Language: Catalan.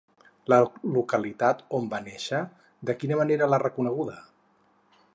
La localitat on va néixer, de quina manera l'ha reconeguda?